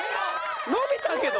伸びたけど。